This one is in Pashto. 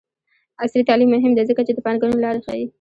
عصري تعلیم مهم دی ځکه چې د پانګونې لارې ښيي.